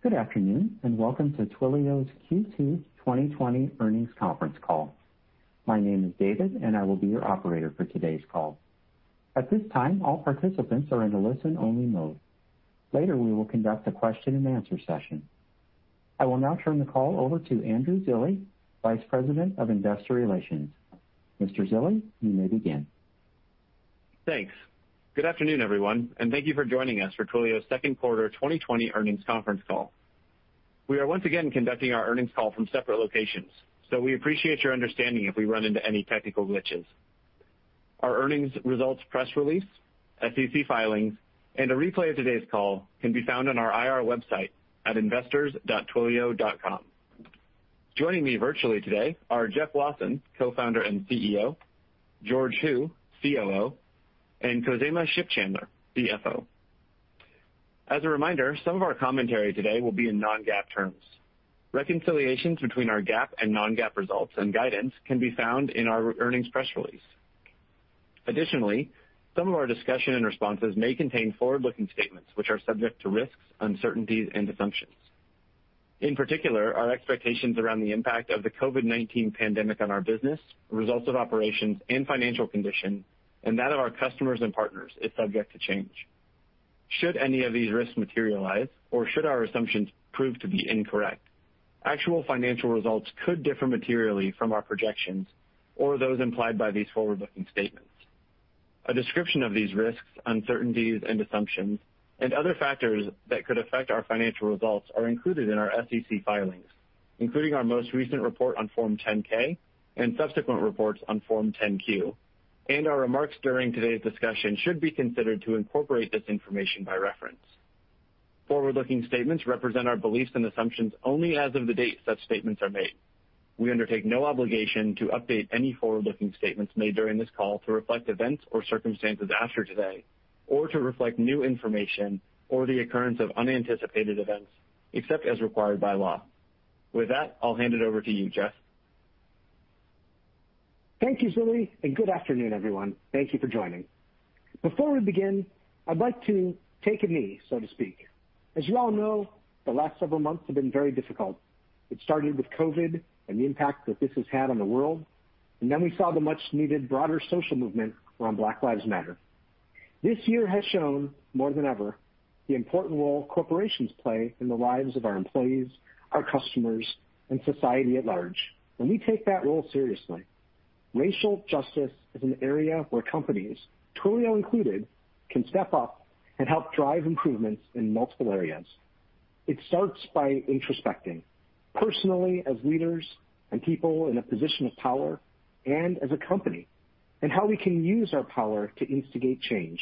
Good afternoon, and welcome to Twilio's Q2 2020 earnings conference call. My name is David, and I will be your operator for today's call. At this time, all participants are in a listen-only mode. Later, we will conduct a question and answer session. I will now turn the call over to Andrew Zilli, Vice President of Investor Relations. Mr. Zilli, you may begin. Thanks. Good afternoon, everyone, and thank you for joining us for Twilio's second quarter 2020 earnings conference call. We are once again conducting our earnings call from separate locations. We appreciate your understanding if we run into any technical glitches. Our earnings results press release, SEC filings, and a replay of today's call can be found on our IR website at investors.twilio.com. Joining me virtually today are Jeff Lawson, Co-Founder and CEO, George Hu, COO, and Khozema Shipchandler, CFO. As a reminder, some of our commentary today will be in non-GAAP terms. Reconciliations between our GAAP and non-GAAP results and guidance can be found in our earnings press release. Additionally, some of our discussion and responses may contain forward-looking statements which are subject to risks, uncertainties, and assumptions. In particular, our expectations around the impact of the COVID-19 pandemic on our business, results of operations and financial condition, and that of our customers and partners is subject to change. Should any of these risks materialize, or should our assumptions prove to be incorrect, actual financial results could differ materially from our projections or those implied by these forward-looking statements. A description of these risks, uncertainties, and assumptions and other factors that could affect our financial results are included in our SEC filings, including our most recent report on Form 10-K and subsequent reports on Form 10-Q, and our remarks during today's discussion should be considered to incorporate this information by reference. Forward-looking statements represent our beliefs and assumptions only as of the date such statements are made. We undertake no obligation to update any forward-looking statements made during this call to reflect events or circumstances after today, or to reflect new information or the occurrence of unanticipated events, except as required by law. With that, I'll hand it over to you, Jeff. Thank you, Zilli. Good afternoon, everyone. Thank you for joining. Before we begin, I'd like to take a knee, so to speak. As you all know, the last several months have been very difficult. It started with COVID and the impact that this has had on the world. We saw the much-needed broader social movement around Black Lives Matter. This year has shown more than ever the important role corporations play in the lives of our employees, our customers, and society at large. We take that role seriously. Racial justice is an area where companies, Twilio included, can step up and help drive improvements in multiple areas. It starts by introspecting personally as leaders and people in a position of power and as a company. How we can use our power to instigate change.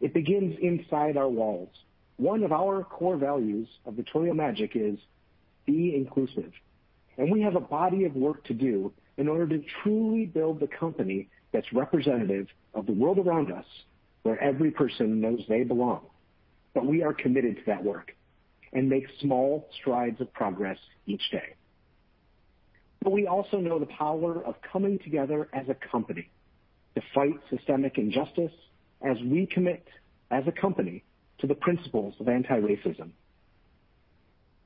It begins inside our walls. One of our core values of the Twilio Magic is be inclusive, and we have a body of work to do in order to truly build the company that's representative of the world around us, where every person knows they belong. We are committed to that work and make small strides of progress each day. We also know the power of coming together as a company to fight systemic injustice as we commit as a company to the principles of anti-racism.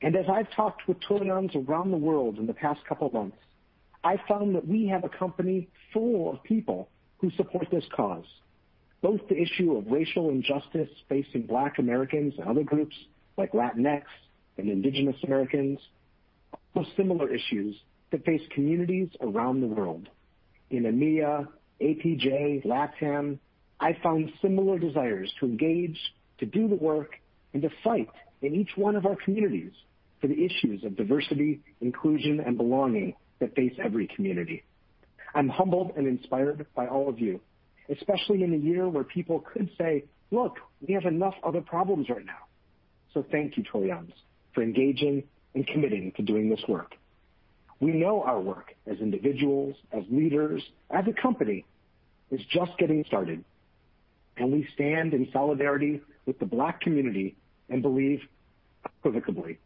As I've talked with Twilions around the world in the past couple of months, I found that we have a company full of people who support this cause, both the issue of racial injustice facing Black Americans and other groups like Latinx and Indigenous Americans, plus similar issues that face communities around the world. In EMEA, APJ, LATAM, I found similar desires to engage, to do the work, and to fight in each one of our communities for the issues of diversity, inclusion, and belonging that face every community. I'm humbled and inspired by all of you, especially in a year where people could say, "Look, we have enough other problems right now." Thank you, Twilions, for engaging and committing to doing this work. We know our work as individuals, as leaders, as a company is just getting started, and we stand in solidarity with the Black community and believe irrevocably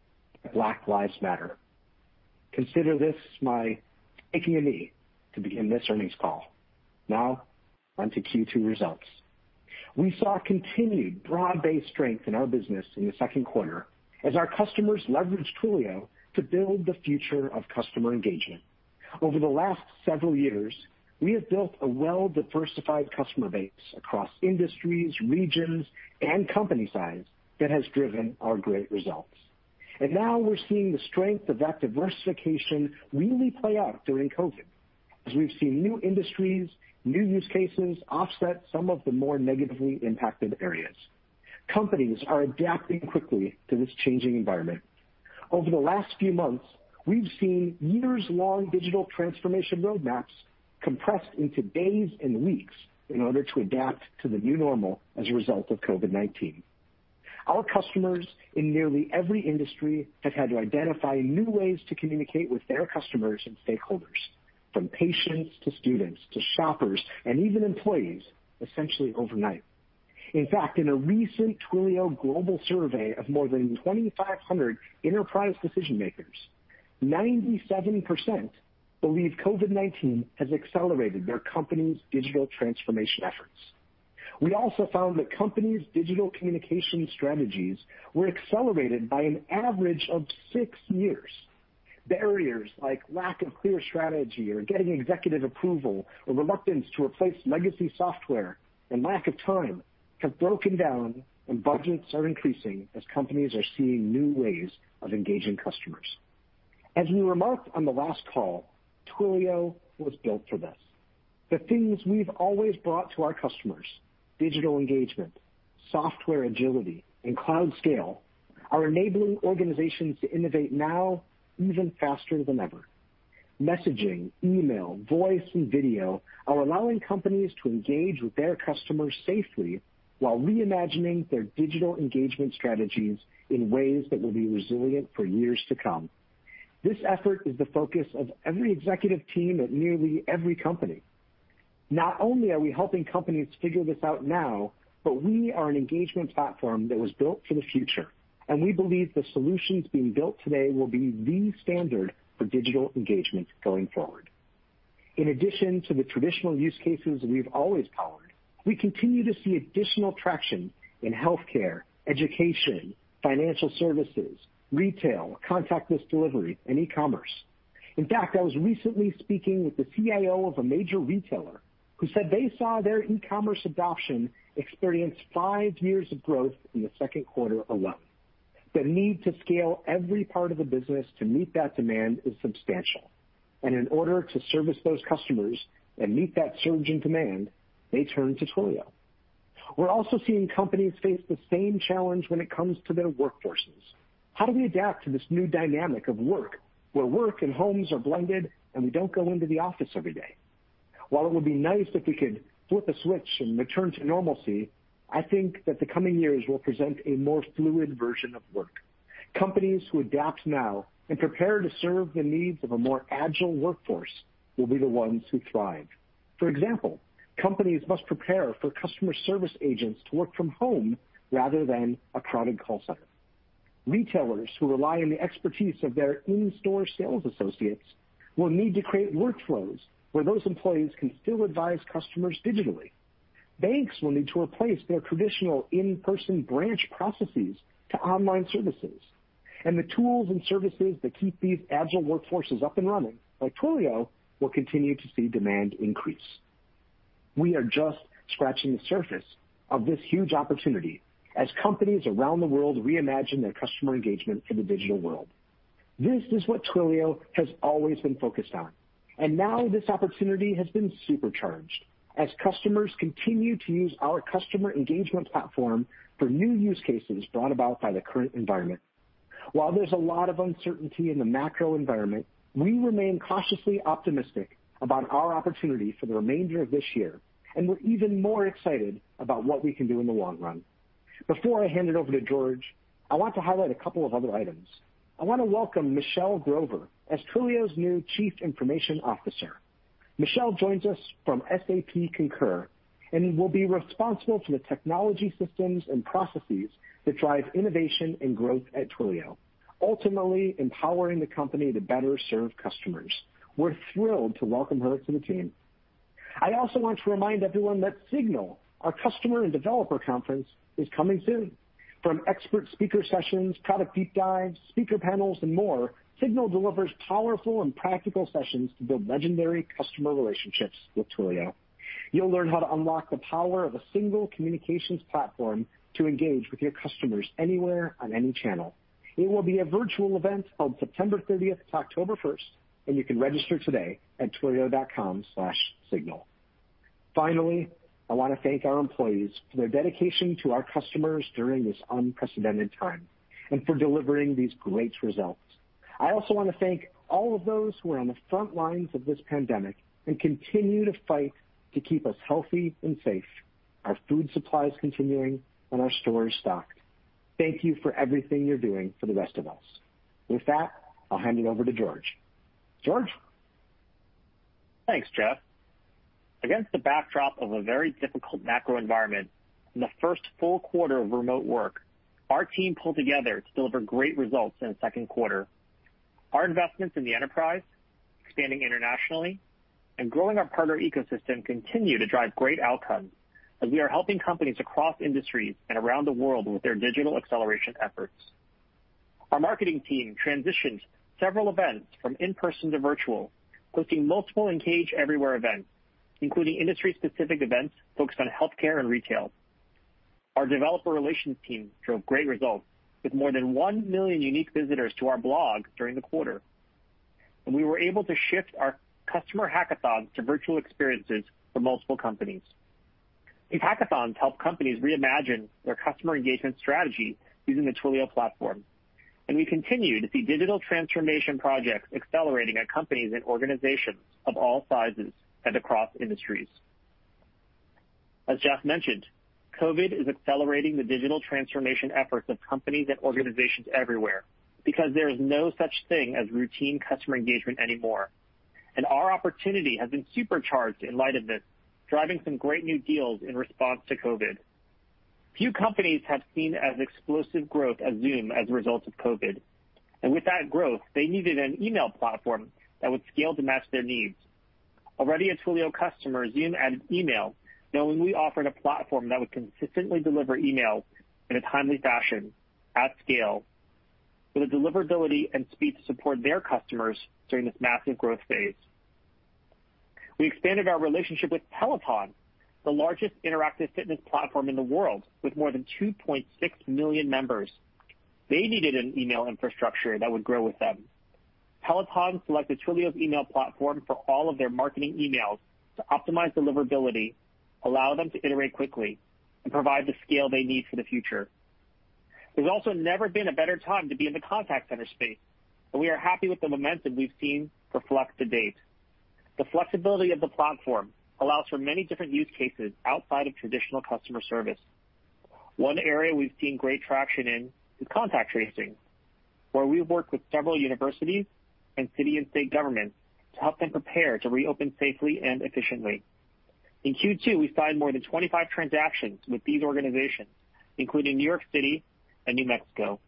that Black Lives Matter. Consider this my taking a knee to begin this earnings call. On to Q2 results. We saw continued broad-based strength in our business in the second quarter as our customers leveraged Twilio to build the future of customer engagement. Over the last several years, we have built a well-diversified customer base across industries, regions, and company size that has driven our great results. Now we're seeing the strength of that diversification really play out during COVID, as we've seen new industries, new use cases offset some of the more negatively impacted areas. Companies are adapting quickly to this changing environment. Over the last few months, we've seen years-long digital transformation roadmaps compressed into days and weeks in order to adapt to the new normal as a result of COVID-19. Our customers in nearly every industry have had to identify new ways to communicate with their customers and stakeholders, from patients to students to shoppers and even employees, essentially overnight. In fact, in a recent Twilio global survey of more than 2,500 enterprise decision-makers, 97% believe COVID-19 has accelerated their company's digital transformation efforts. We also found that companies' digital communication strategies were accelerated by an average of six years. Barriers like lack of clear strategy, or getting executive approval, or reluctance to replace legacy software, and lack of time have broken down, and budgets are increasing as companies are seeing new ways of engaging customers. As we remarked on the last call, Twilio was built for this. The things we've always brought to our customers, digital engagement, software agility, and cloud scale, are enabling organizations to innovate now even faster than ever. Messaging, email, voice, and video are allowing companies to engage with their customers safely while reimagining their digital engagement strategies in ways that will be resilient for years to come. This effort is the focus of every executive team at nearly every company. Not only are we helping companies figure this out now, but we are an engagement platform that was built for the future. We believe the solutions being built today will be the standard for digital engagement going forward. In addition to the traditional use cases we've always powered, we continue to see additional traction in healthcare, education, financial services, retail, contactless delivery, and e-commerce. In fact, I was recently speaking with the CIO of a major retailer who said they saw their e-commerce adoption experience five years of growth in the second quarter alone. The need to scale every part of the business to meet that demand is substantial. In order to service those customers and meet that surge in demand, they turn to Twilio. We're also seeing companies face the same challenge when it comes to their workforces. How do we adapt to this new dynamic of work, where work and homes are blended, and we don't go into the office every day? While it would be nice if we could flip a switch and return to normalcy, I think that the coming years will present a more fluid version of work. Companies who adapt now and prepare to serve the needs of a more agile workforce will be the ones who thrive. For example, companies must prepare for customer service agents to work from home rather than a crowded call center. Retailers who rely on the expertise of their in-store sales associates will need to create workflows where those employees can still advise customers digitally. Banks will need to replace their traditional in-person branch processes to online services, and the tools and services that keep these agile workforces up and running, like Twilio, will continue to see demand increase. We are just scratching the surface of this huge opportunity as companies around the world reimagine their customer engagement for the digital world. This is what Twilio has always been focused on, and now this opportunity has been supercharged as customers continue to use our customer engagement platform for new use cases brought about by the current environment. While there's a lot of uncertainty in the macro environment, we remain cautiously optimistic about our opportunity for the remainder of this year, and we're even more excited about what we can do in the long run. Before I hand it over to George, I want to highlight a couple of other items. I want to welcome Michelle Grover as Twilio's new Chief Information Officer. Michelle joins us from SAP Concur and will be responsible for the technology systems and processes that drive innovation and growth at Twilio, ultimately empowering the company to better serve customers. We're thrilled to welcome her to the team. I also want to remind everyone that SIGNAL, our customer and developer conference, is coming soon. From expert speaker sessions, product deep dives, speaker panels, and more, SIGNAL delivers powerful and practical sessions to build legendary customer relationships with Twilio. You'll learn how to unlock the power of a single communications platform to engage with your customers anywhere on any channel. It will be a virtual event on September 30th to October 1st, and you can register today at twilio.com/signal. Finally, I want to thank our employees for their dedication to our customers during this unprecedented time and for delivering these great results. I also want to thank all of those who are on the front lines of this pandemic and continue to fight to keep us healthy and safe, our food supplies continuing, and our stores stocked. Thank you for everything you're doing for the rest of us. With that, I'll hand it over to George. George? Thanks, Jeff. Against the backdrop of a very difficult macro environment in the first full quarter of remote work, our team pulled together to deliver great results in the second quarter. Our investments in the enterprise, expanding internationally, and growing our partner ecosystem continue to drive great outcomes as we are helping companies across industries and around the world with their digital acceleration efforts. Our marketing team transitioned several events from in-person to virtual, hosting multiple Engage Everywhere events, including industry-specific events focused on healthcare and retail. Our developer relations team drove great results, with more than 1 million unique visitors to our blog during the quarter, and we were able to shift our customer hackathons to virtual experiences for multiple companies. These hackathons helped companies reimagine their customer engagement strategy using the Twilio platform, and we continued to see digital transformation projects accelerating at companies and organizations of all sizes and across industries. As Jeff mentioned, COVID is accelerating the digital transformation efforts of companies and organizations everywhere because there is no such thing as routine customer engagement anymore, and our opportunity has been supercharged in light of this, driving some great new deals in response to COVID. Few companies have seen as explosive growth as Zoom as a result of COVID. With that growth, they needed an email platform that would scale to match their needs. Already a Twilio customer, Zoom added email, knowing we offered a platform that would consistently deliver email in a timely fashion, at scale, with the deliverability and speed to support their customers during this massive growth phase. We expanded our relationship with Peloton, the largest interactive fitness platform in the world, with more than 2.6 million members. They needed an email infrastructure that would grow with them. Peloton selected Twilio's email platform for all of their marketing emails to optimize deliverability, allow them to iterate quickly, and provide the scale they need for the future. There's also never been a better time to be in the contact center space, and we are happy with the momentum we've seen for Flex to date. The flexibility of the platform allows for many different use cases outside of traditional customer service. One area we've seen great traction in is contact tracing, where we've worked with several universities and city and state governments to help them prepare to reopen safely and efficiently. In Q2, we signed more than 25 transactions with these organizations, including New York City and New Mexico.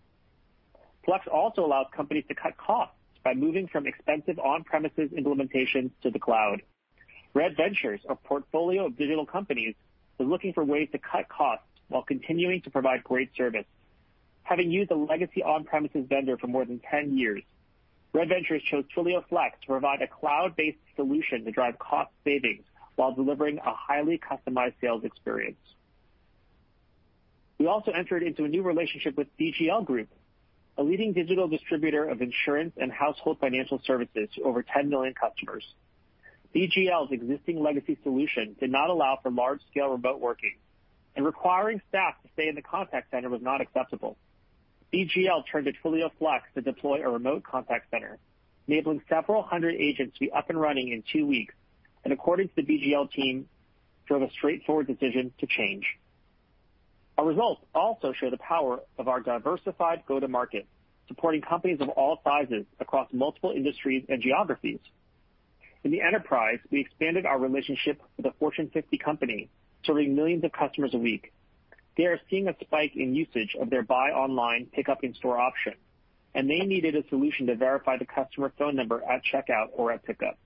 Flex also allows companies to cut costs by moving from expensive on-premises implementations to the cloud. Red Ventures, a portfolio of digital companies, was looking for ways to cut costs while continuing to provide great service. Having used a legacy on-premises vendor for more than 10 years, Red Ventures chose Twilio Flex to provide a cloud-based solution to drive cost savings while delivering a highly customized sales experience. We also entered into a new relationship with BGL Group, a leading digital distributor of insurance and household financial services to over 10 million customers. BGL's existing legacy solution did not allow for large-scale remote working, and requiring staff to stay in the contact center was not acceptable. BGL turned to Twilio Flex to deploy a remote contact center, enabling several hundred agents to be up and running in two weeks, and according to the BGL team, drove a straightforward decision to change. Our results also show the power of our diversified go-to market, supporting companies of all sizes across multiple industries and geographies. In the enterprise, we expanded our relationship with a Fortune 50 company serving millions of customers a week. They are seeing a spike in usage of their buy online, pickup in store option, and they needed a solution to verify the customer phone number at checkout or at pickup.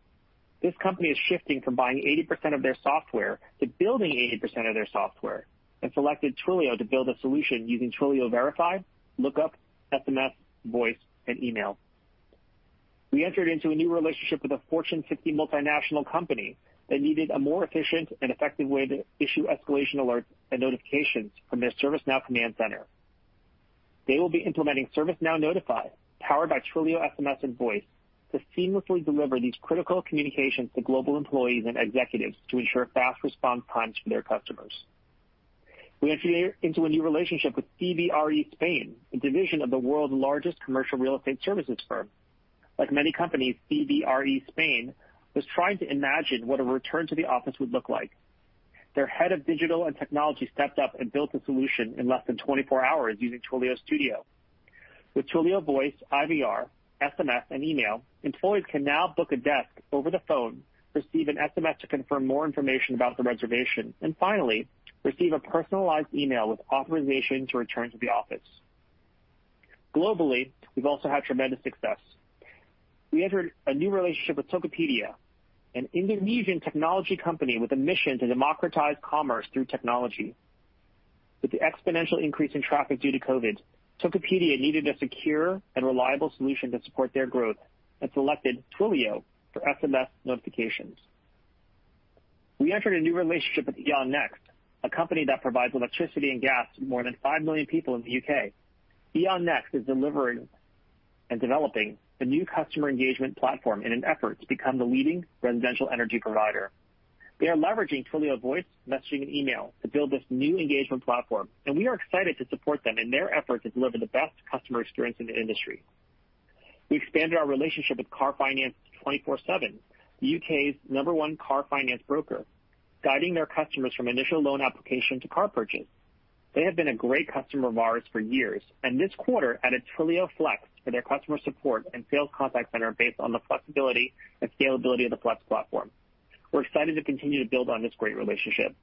This company is shifting from buying 80% of their software to building 80% of their software and selected Twilio to build a solution using Twilio Verify, Twilio Lookup, SMS, Twilio Voice, and Email. We entered into a new relationship with a Fortune 50 multinational company that needed a more efficient and effective way to issue escalation alerts and notifications from their ServiceNow command center. They will be implementing ServiceNow Notify, powered by Twilio SMS and Voice, to seamlessly deliver these critical communications to global employees and executives to ensure fast response times for their customers. We entered into a new relationship with CBRE Spain, a division of the world's largest commercial real estate services firm. Like many companies, CBRE Spain was trying to imagine what a return to the office would look like. Their Head of Digital and Technology stepped up and built a solution in less than 24 hours using Twilio Studio. With Twilio Voice, IVR, SMS, and email, employees can now book a desk over the phone, receive an SMS to confirm more information about the reservation, and finally, receive a personalized email with authorization to return to the office. Globally, we've also had tremendous success. We entered a new relationship with Tokopedia, an Indonesian technology company with a mission to democratize commerce through technology. With the exponential increase in traffic due to COVID, Tokopedia needed a secure and reliable solution to support their growth and selected Twilio for SMS notifications. We entered a new relationship with E.ON Next, a company that provides electricity and gas to more than 5 million people in the U.K. E.ON Next is delivering and developing a new customer engagement platform in an effort to become the leading residential energy provider. They are leveraging Twilio Voice, Messaging, and Email to build this new engagement platform. We are excited to support them in their effort to deliver the best customer experience in the industry. We expanded our relationship with Car Finance 247, the U.K.'s number one car finance broker, guiding their customers from initial loan application to car purchase. They have been a great customer of ours for years. This quarter added Twilio Flex for their customer support and sales contact center based on the flexibility and scalability of the Flex platform. We're excited to continue to build on this great relationship.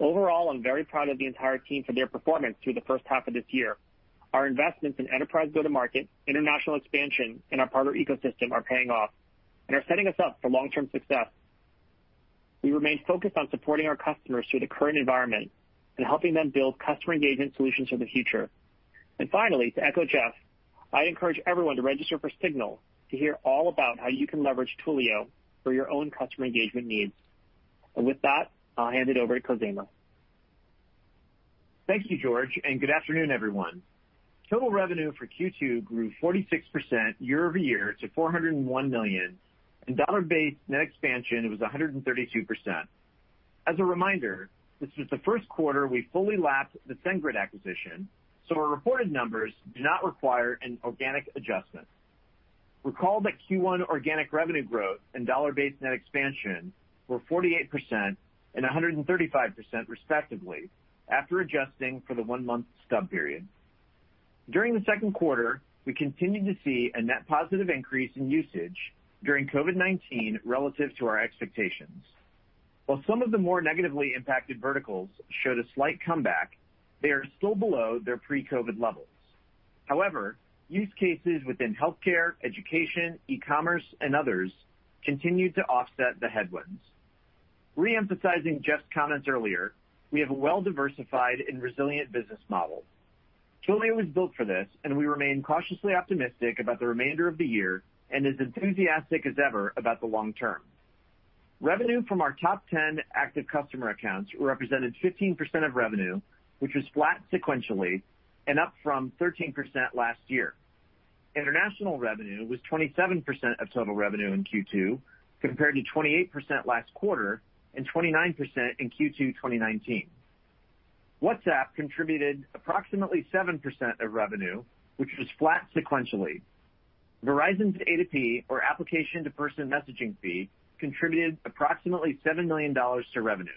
Overall, I'm very proud of the entire team for their performance through the first half of this year. Our investments in enterprise go-to market, international expansion, and our partner ecosystem are paying off and are setting us up for long-term success. We remain focused on supporting our customers through the current environment and helping them build customer engagement solutions for the future. Finally, to echo Jeff, I encourage everyone to register for SIGNAL to hear all about how you can leverage Twilio for your own customer engagement needs. With that, I'll hand it over to Khozema. Thank you, George, and good afternoon, everyone. Total revenue for Q2 grew 46% year-over-year to $401 million, and dollar-based net expansion was 132%. As a reminder, this was the first quarter we fully lapped the SendGrid acquisition, so our reported numbers do not require an organic adjustment. Recall that Q1 organic revenue growth and dollar-based net expansion were 48% and 135% respectively, after adjusting for the one-month stub period. During the second quarter, we continued to see a net positive increase in usage during COVID-19 relative to our expectations. While some of the more negatively impacted verticals showed a slight comeback, they are still below their pre-COVID levels. However, use cases within healthcare, education, e-commerce, and others continued to offset the headwinds. Re-emphasizing Jeff's comments earlier, we have a well-diversified and resilient business model. Twilio was built for this. We remain cautiously optimistic about the remainder of the year and as enthusiastic as ever about the long-term. Revenue from our top 10 active customer accounts represented 15% of revenue, which was flat sequentially and up from 13% last year. International revenue was 27% of total revenue in Q2, compared to 28% last quarter and 29% in Q2 2019. WhatsApp contributed approximately 7% of revenue, which was flat sequentially. Verizon's A2P, or application-to-person messaging fee, contributed approximately $7 million to revenue.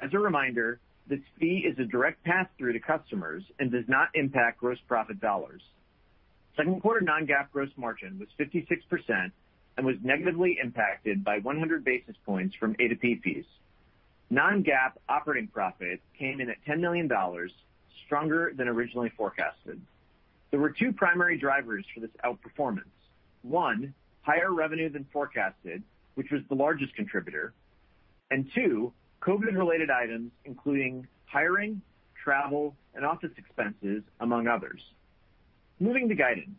As a reminder, this fee is a direct pass-through to customers and does not impact gross profit dollars. Second quarter non-GAAP gross margin was 56% and was negatively impacted by 100 basis points from A2P fees. Non-GAAP operating profit came in at $10 million, stronger than originally forecasted. There were two primary drivers for this outperformance. One, higher revenue than forecasted, which was the largest contributor, and two, COVID-related items, including hiring, travel, and office expenses, among others. Moving to guidance,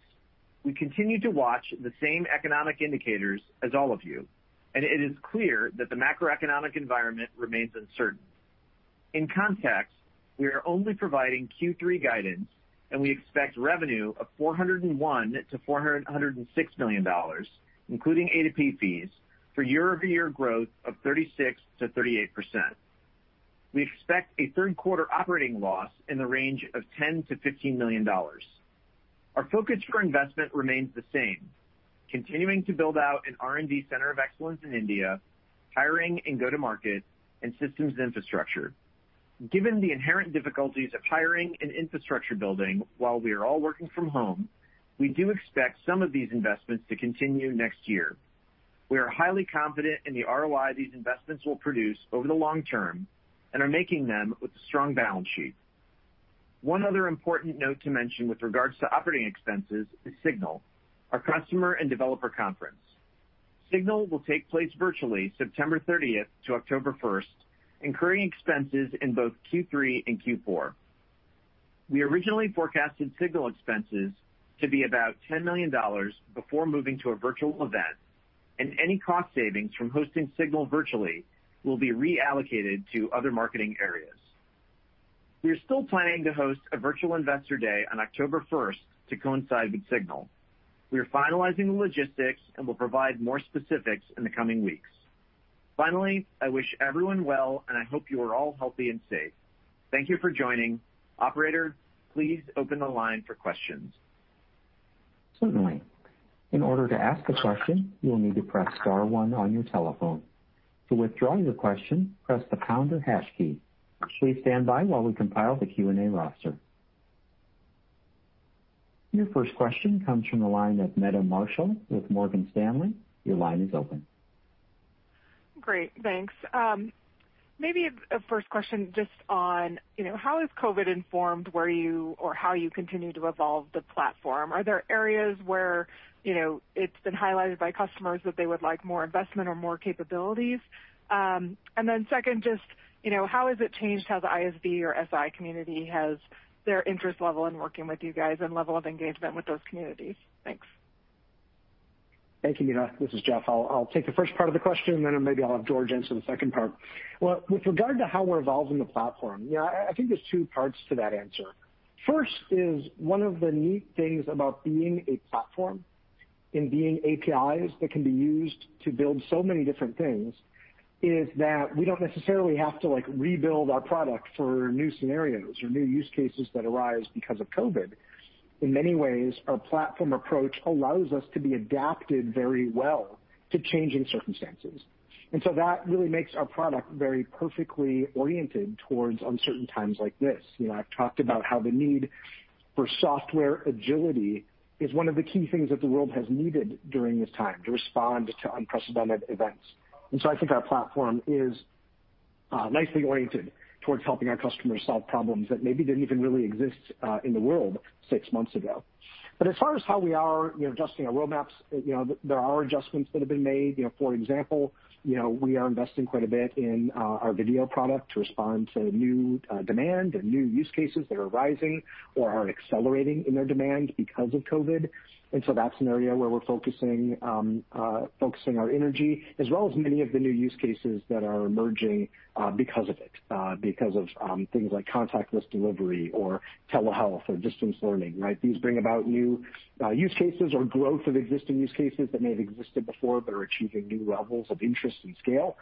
we continue to watch the same economic indicators as all of you, and it is clear that the macroeconomic environment remains uncertain. In context, we are only providing Q3 guidance, and we expect revenue of $401 million-$406 million, including A2P fees, for year-over-year growth of 36%-38%. We expect a third quarter operating loss in the range of $10 million-$15 million. Our focus for investment remains the same, continuing to build out an R&D center of excellence in India, hiring, and go-to-market, and systems infrastructure. Given the inherent difficulties of hiring and infrastructure building while we are all working from home, we do expect some of these investments to continue next year. We are highly confident in the ROI these investments will produce over the long term and are making them with a strong balance sheet. One other important note to mention with regards to operating expenses is SIGNAL, our customer and developer conference. SIGNAL will take place virtually September 30th to October 1st, incurring expenses in both Q3 and Q4. We originally forecasted SIGNAL expenses to be about $10 million before moving to a virtual event, and any cost savings from hosting SIGNAL virtually will be reallocated to other marketing areas. We are still planning to host a virtual Investor Day on October 1st to coincide with SIGNAL. We are finalizing the logistics and will provide more specifics in the coming weeks. Finally, I wish everyone well, and I hope you are all healthy and safe. Thank you for joining. Operator, please open the line for questions. Certainly. In order to ask a question, you will need to press star one on your telephone. To withdraw your question, press the pound or hash key. Please stand by while we compile the Q&A roster. Your first question comes from the line of Meta Marshall with Morgan Stanley. Your line is open. Great, thanks. Maybe a first question just on how has COVID informed where you or how you continue to evolve the platform. Are there areas where it's been highlighted by customers that they would like more investment or more capabilities? Second, just how has it changed how the ISV or SI community has their interest level in working with you guys and level of engagement with those communities? Thanks. Thank you, Meta. This is Jeff. I'll take the first part of the question, then maybe I'll have George answer the second part. Well, with regard to how we're evolving the platform, I think there's two parts to that answer. First is one of the neat things about being a platform and being APIs that can be used to build so many different things is that we don't necessarily have to rebuild our product for new scenarios or new use cases that arise because of COVID. In many ways, our platform approach allows us to be adapted very well to changing circumstances. That really makes our product very perfectly oriented towards uncertain times like this. I've talked about how the need for software agility is one of the key things that the world has needed during this time to respond to unprecedented events. I think our platform is nicely oriented towards helping our customers solve problems that maybe didn't even really exist in the world six months ago. As far as how we are adjusting our roadmaps, there are adjustments that have been made. For example, we are investing quite a bit in our Video product to respond to new demand and new use cases that are rising or are accelerating in their demand because of COVID. That's an area where we're focusing our energy, as well as many of the new use cases that are emerging because of it, because of things like contactless delivery or telehealth or distance learning, right? These bring about new use cases or growth of existing use cases that may have existed before but are achieving new levels of interest and scale.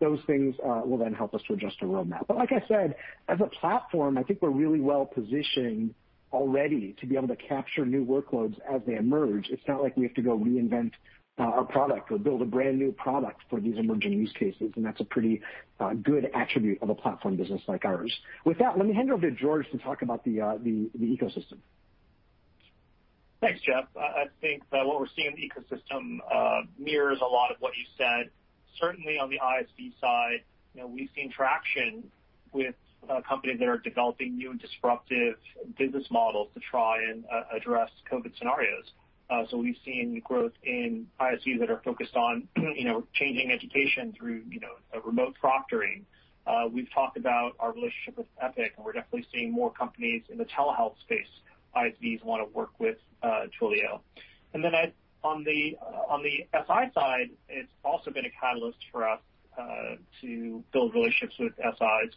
Those things will then help us to adjust our roadmap. Like I said, as a platform, I think we're really well-positioned already to be able to capture new workloads as they emerge. It's not like we have to go reinvent our product or build a brand-new product for these emerging use cases, and that's a pretty good attribute of a platform business like ours. With that, let me hand it over to George to talk about the ecosystem. Thanks, Jeff. I think that what we're seeing in the ecosystem mirrors a lot of what you said. Certainly on the ISV side, we've seen traction with companies that are developing new and disruptive business models to try and address COVID scenarios. We've seen growth in ISVs that are focused on changing education through remote proctoring. We've talked about our relationship with Epic, we're definitely seeing more companies in the telehealth space, ISVs who want to work with Twilio. On the SI side, it's also been a catalyst for us to build relationships with SIs.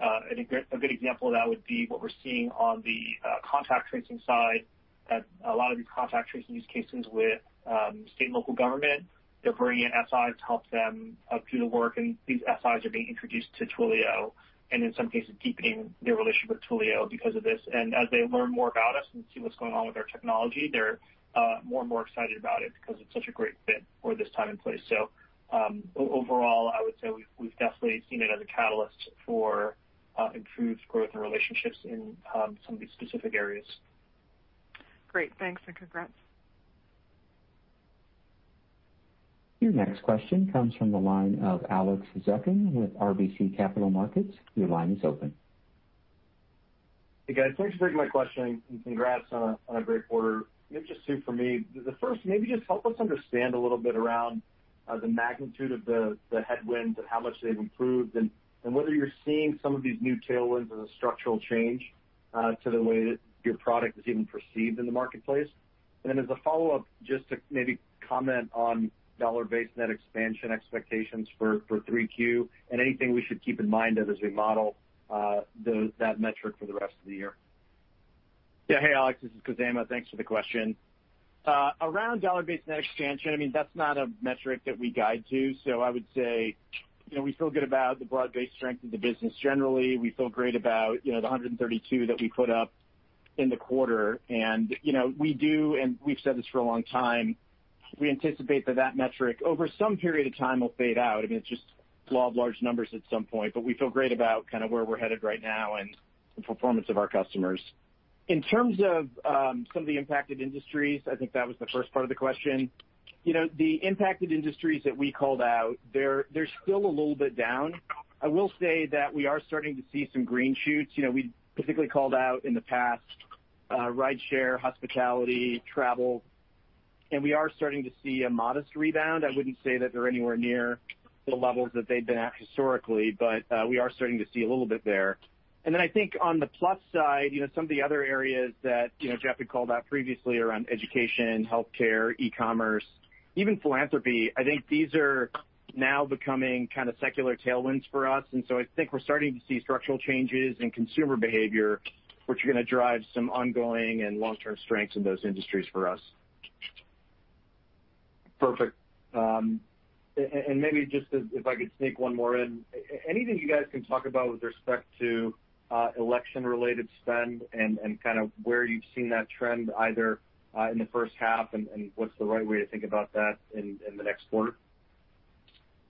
A good example of that would be what we're seeing on the contact tracing side, that a lot of these contact tracing use cases with state and local government, they're bringing in SIs to help them do the work, and these SIs are being introduced to Twilio and in some cases deepening their relationship with Twilio because of this. As they learn more about us and see what's going on with our technology, they're more and more excited about it because it's such a great fit for this time and place. Overall, I would say we've definitely seen it as a catalyst for improved growth and relationships in some of these specific areas. Great. Thanks, and congrats. Your next question comes from the line of Alex Zukin with RBC Capital Markets. Your line is open. Hey, guys. Thanks for taking my question. Congrats on a great quarter. Maybe just two for me. The first, maybe just help us understand a little bit around the magnitude of the headwinds and how much they've improved and whether you're seeing some of these new tailwinds as a structural change to the way that your product is even perceived in the marketplace. As a follow-up, just to maybe comment on dollar-based net expansion expectations for 3Q and anything we should keep in mind of as we model that metric for the rest of the year. Yeah. Hey, Alex, this is Khozema. Thanks for the question. Around dollar-based net expansion, that's not a metric that we guide to. I would say, we feel good about the broad-based strength of the business generally. We feel great about the 132 that we put up in the quarter. We do, and we've said this for a long time, we anticipate that that metric, over some period of time, will fade out. It'll just law of large numbers at some point, but we feel great about where we're headed right now and the performance of our customers. In terms of some of the impacted industries, I think that was the first part of the question. The impacted industries that we called out, they're still a little bit down. I will say that we are starting to see some green shoots. We specifically called out in the past rideshare, hospitality, travel, we are starting to see a modest rebound. I wouldn't say that they're anywhere near the levels that they've been at historically, but we are starting to see a little bit there. Then I think on the plus side, some of the other areas that Jeff had called out previously around education, healthcare, e-commerce, even philanthropy, I think these are now becoming kind of secular tailwinds for us. So I think we're starting to see structural changes in consumer behavior, which are going to drive some ongoing and long-term strengths in those industries for us. Perfect. Maybe just if I could sneak one more in. Anything you guys can talk about with respect to election-related spend and kind of where you've seen that trend, either in the first half and what's the right way to think about that in the next quarter?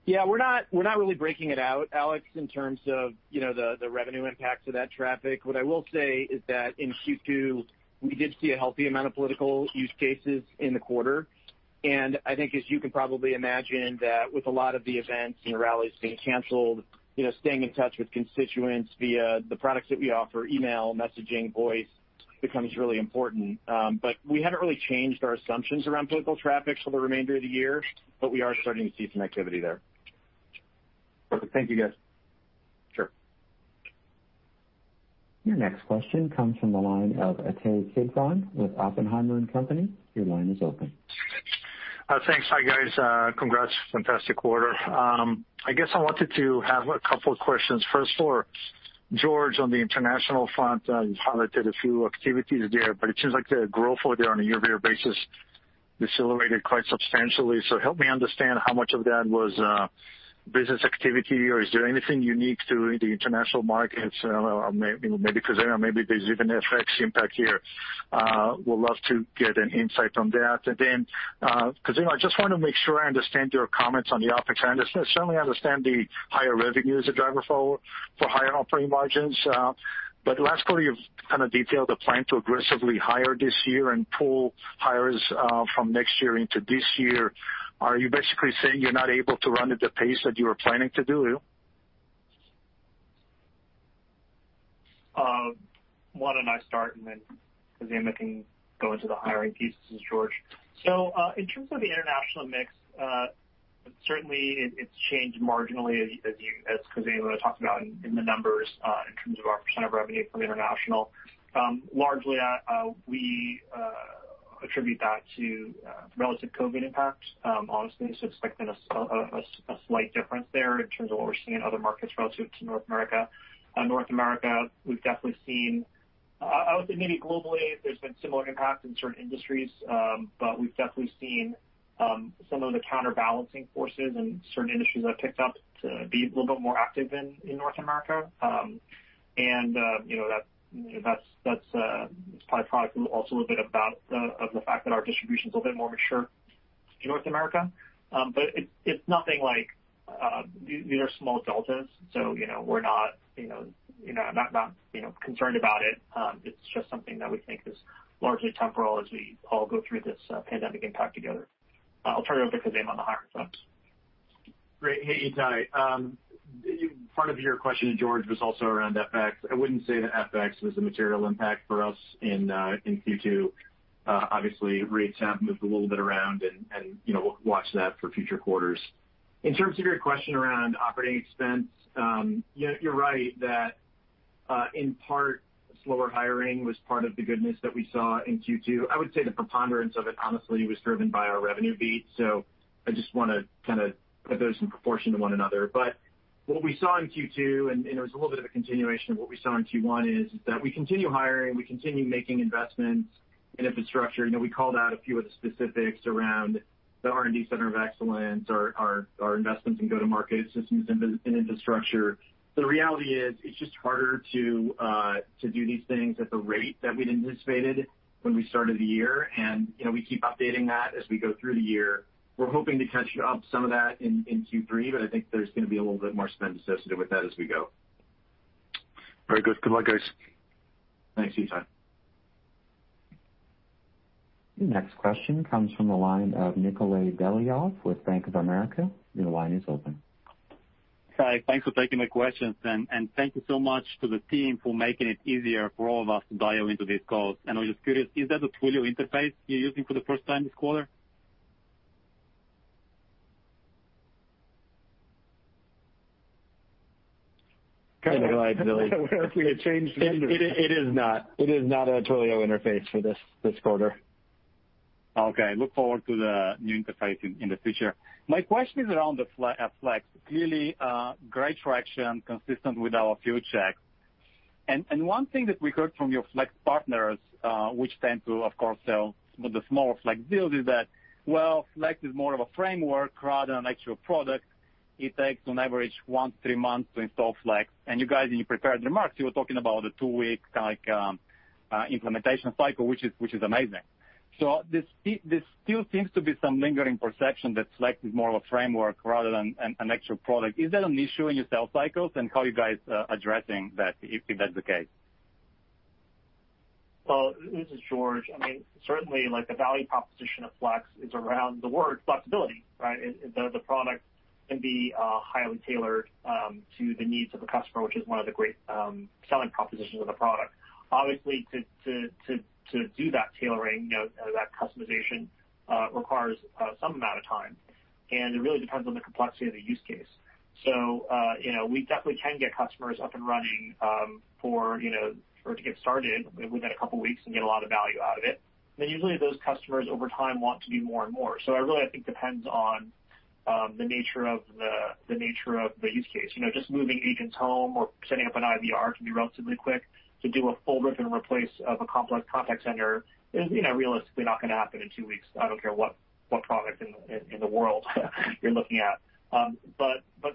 Yeah. We're not really breaking it out, Alex, in terms of the revenue impacts of that traffic. What I will say is that in Q2, we did see a healthy amount of political use cases in the quarter, and I think as you can probably imagine, that with a lot of the events and the rallies being canceled, staying in touch with constituents via the products that we offer, email, messaging, voice, becomes really important. We haven't really changed our assumptions around political traffic for the remainder of the year, but we are starting to see some activity there. Perfect. Thank you, guys. Sure. Your next question comes from the line of Ittai Kidron with Oppenheimer & Co. Your line is open. Thanks. Hi, guys. Congrats. Fantastic quarter. I guess I wanted to have a couple of questions. First, for George on the international front, you've highlighted a few activities there, but it seems like the growth over there on a year-over-year basis decelerated quite substantially. Help me understand how much of that was business activity, or is there anything unique to the international markets? I don't know, maybe Khozema, maybe there's even FX impact here. Would love to get an insight on that. Khozema, I just want to make sure I understand your comments on the OpEx. I certainly understand the higher revenue as a driver for higher operating margins. Last quarter, you kind of detailed a plan to aggressively hire this year and pull hires from next year into this year. Are you basically saying you're not able to run at the pace that you were planning to do? Why don't I start and then Khozema can go into the hiring piece, this is George. In terms of the international mix, certainly it's changed marginally as Khozema talked about in the numbers in terms of our percent of revenue from international. Largely, we attribute that to relative COVID impact, honestly. Expecting a slight difference there in terms of what we're seeing in other markets relative to North America. North America, we've definitely seen, I would say maybe globally, there's been similar impacts in certain industries, but we've definitely seen some of the counterbalancing forces and certain industries have picked up to be a little bit more active in North America. That's probably a product also a little bit of the fact that our distribution's a little bit more mature in North America. It's nothing like these are small deltas, so we're not concerned about it. It's just something that we think is largely temporal as we all go through this pandemic impact together. I'll turn it over to Khozema on the hire front. Great. Hey, Ittai. Part of your question to George was also around FX. I wouldn't say that FX was a material impact for us in Q2. Obviously, rates have moved a little bit around, and we'll watch that for future quarters. In terms of your question around operating expense, you're right that in part, slower hiring was part of the goodness that we saw in Q2. I would say the preponderance of it, honestly, was driven by our revenue beat. I just want to kind of put those in proportion to one another, what we saw in Q2, and it was a little bit of a continuation of what we saw in Q1, is that we continue hiring, we continue making investments in infrastructure. We called out a few of the specifics around the R&D center of excellence, our investments in go-to-market systems and infrastructure. The reality is, it's just harder to do these things at the rate that we'd anticipated when we started the year, and we keep updating that as we go through the year. We're hoping to catch up some of that in Q3, but I think there's going to be a little bit more spend associated with that as we go. Very good. Good luck, guys. Thanks, Ittai. Your next question comes from the line of Nikolay Beliov with Bank of America. Your line is open. Hi. Thanks for taking my questions, and thank you so much to the team for making it easier for all of us to dial into these calls. I was just curious, is that a Twilio interface you're using for the first time this quarter? It is not. It is not a Twilio interface for this quarter. Okay. Look forward to the new interface in the future. My question is around Flex. Clearly great traction consistent with our field checks. One thing that we heard from your Flex partners, which tend to, of course, sell the smaller Flex deals is that, well, Flex is more of a framework rather than an actual product. It takes on average one to three months to install Flex. You guys, in your prepared remarks, you were talking about a two-week implementation cycle, which is amazing. There still seems to be some lingering perception that Flex is more of a framework rather than an actual product. Is that an issue in your sales cycles, and how are you guys addressing that if that's the case? Well, this is George. Certainly, the value proposition of Flex is around the word flexibility, right? The product can be highly tailored to the needs of a customer, which is one of the great selling propositions of the product. Obviously, to do that tailoring, that customization requires some amount of time, and it really depends on the complexity of the use case. We definitely can get customers up and running or to get started within a couple of weeks and get a lot of value out of it. Usually those customers over time want to do more and more. It really, I think, depends on the nature of the use case. Just moving agents home or setting up an IVR can be relatively quick. To do a full rip and replace of a complex contact center is realistically not going to happen in two weeks. I don't care what product in the world you're looking at.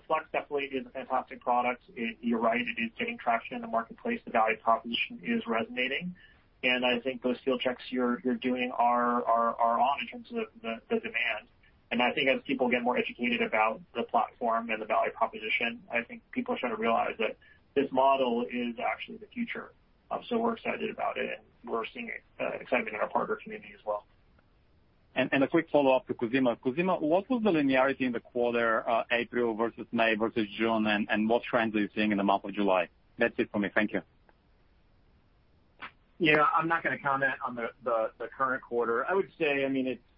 Flex definitely is a fantastic product. You're right, it is getting traction in the marketplace. The value proposition is resonating, and I think those field checks you're doing are on in terms of the demand. I think as people get more educated about the platform and the value proposition, I think people start to realize that this model is actually the future. We're excited about it, and we're seeing excitement in our partner community as well. A quick follow-up to Khozema. Khozema, what was the linearity in the quarter, April versus May versus June, and what trends are you seeing in the month of July? That's it for me. Thank you. Yeah. I'm not going to comment on the current quarter. I would say